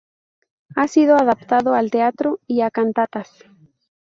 Ha sido adaptado al teatro y a cantatas.